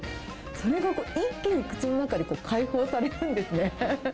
それが一気に口の中で解放されるんですね。